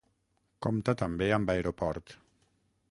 Compta també amb aeroport.